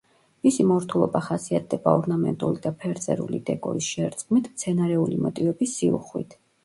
მისი მორთულობა ხასიათდება ორნამენტული და ფერწერული დეკორის შერწყმით, მცენარეული მოტივების სიუხვით.